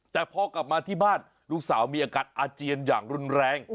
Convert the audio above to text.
แต่พอกลับมาที่บ้านลูกสาวมีอาการอาเจียนอย่างรุนแรง